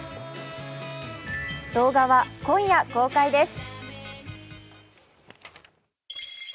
動画は今夜公開です。